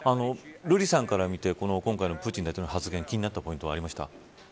瑠麗さんから見て今回のプーチン大統領発言で気になったポイントありますか。